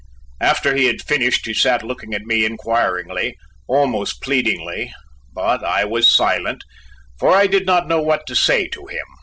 After he had finished he sat looking at me inquiringly, almost pleadingly, but I was silent, for I did not know what to say to him.